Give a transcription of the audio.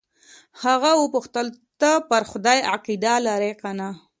هغه وپوښتل ته پر خدای عقیده لرې که نه.